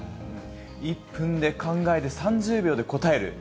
１分で考えて３０秒で答える。